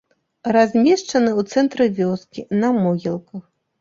Размешчаны ў цэнтры вёскі, на могілках.